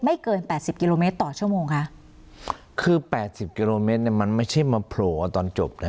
เกินแปดสิบกิโลเมตรต่อชั่วโมงคะคือแปดสิบกิโลเมตรเนี้ยมันไม่ใช่มาโผล่เอาตอนจบนะ